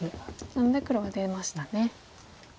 なので黒は出ましたね。